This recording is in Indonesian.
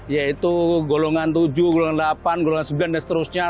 yaitu golongan tujuh golongan delapan golongan sembilan dan seterusnya